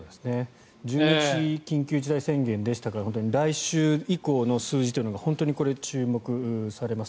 １１日に緊急事態宣言でしたから来週以降の数字というのが本当に注目されます。